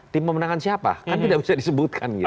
tim pemenangan siapa kan tidak bisa disebutkan gitu